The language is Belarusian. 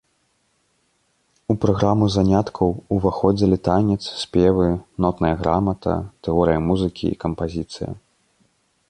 У праграму заняткаў уваходзілі танец, спевы, нотная грамата, тэорыя музыкі і кампазіцыя.